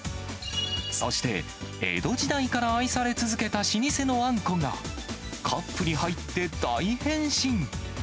そして、江戸時代から愛され続けた老舗のあんこが、カップに入って大変身。